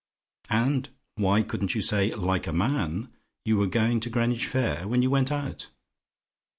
"And why couldn't you say, like a man, you were going to Greenwich Fair when you went out?